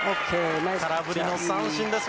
空振りの三振です。